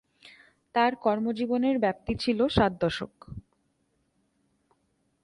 তার কর্মজীবনের ব্যপ্তি ছিল সাত দশক।